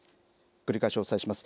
繰り返しお伝えします。